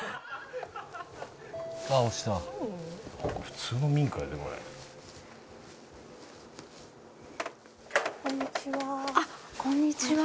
「普通の民家だよねこれ」こんにちは。